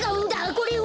これは。